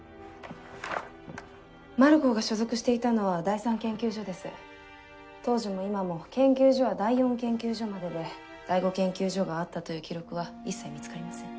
マルコーが所属していたのは第三研究所です当時も今も研究所は第四研究所までで第五研究所があったという記録は一切見つかりません